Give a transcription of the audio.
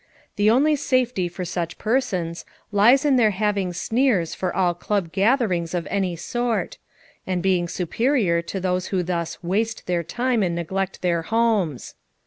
The only safety for such persons lies in their having sneers for all club gatherings of every sort; and being superior to those who thus " waste" their time and neglect their homes.